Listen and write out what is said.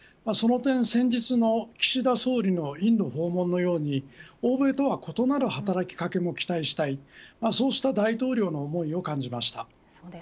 その点、先日の岸田総理のインド訪問のように欧米とは異なる働きかけも期待したいというそうした大統領の思いを感じました。